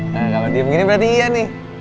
nah kalo dia begini berarti iya nih